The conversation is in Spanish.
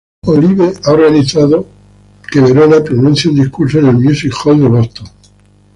Olive ha organizado que Verena pronuncie un discurso en el Music Hall de Boston.